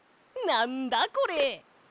なんだこれ？